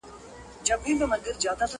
ما مي د بابا په هدیره کي ځان لیدلی وو٫